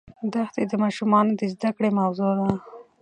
دښتې د ماشومانو د زده کړې موضوع ده.